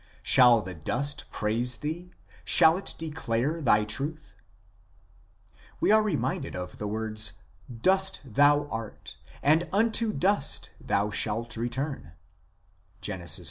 Shall the dust praise Thee ? shall it declare Thy truth ?" We are reminded of the words :" Dust thou art, and unto dust thou shalt return " (Gen. iii.